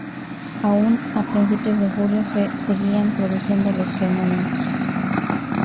Aun a principios de julio se seguían produciendo los fenómenos.